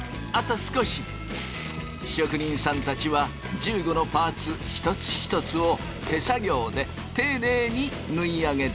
職人さんたちは１５のパーツ一つ一つを手作業で丁寧に縫い上げていく。